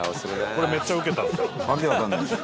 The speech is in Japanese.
「これめっちゃウケたんですよ」